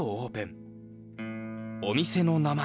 お店の名前